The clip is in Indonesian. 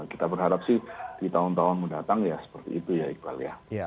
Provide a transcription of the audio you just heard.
kita berharap sih di tahun tahun mendatang ya seperti itu ya iqbal ya